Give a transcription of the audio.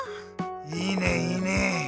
いいねいいね！